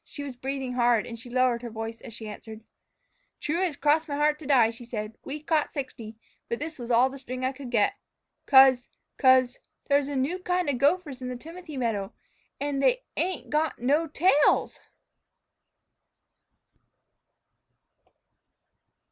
She was breathing hard and she lowered her voice as she answered. "True as cross my heart to die," she said, "we caught sixty; but this was all the string I could get. 'Cause 'cause there's a new kind of gophers in the timothy meadow, _and they ain't got tails!